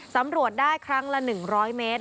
สำรวจได้ครั้งละ๑๐๐เมตร